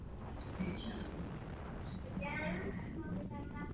V budoucnosti se plánuje i výstavba nových dalších dvou linek i prodloužení té současné.